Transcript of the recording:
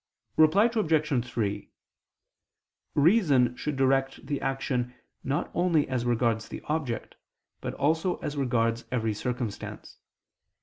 Reply Obj. 3: Reason should direct the action not only as regards the object, but also as regards every circumstance.